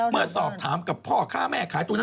เมื่อสอบถามกับพ่อค้าแม่ขายตัวนั้น